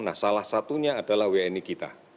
nah salah satunya adalah wni kita